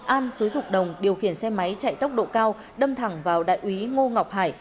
an xúi dục đồng điều khiển xe máy chạy tốc độ cao đâm thẳng vào đại úy ngô ngọc hải